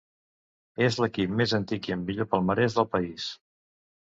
És l'equip més antic i amb millor palmarès del país.